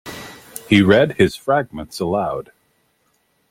He read his fragments aloud.